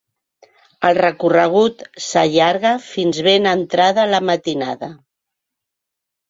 El recorregut s’allarga fins ben entrada la matinada.